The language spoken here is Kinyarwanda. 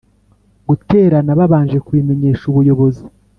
guterana babanje kubimenyesha ubuyobozi